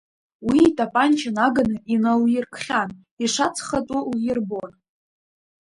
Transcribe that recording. Уи итапанча наганы иналиркхьан, ишаҵхатәу лирбон.